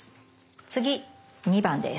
次２番です。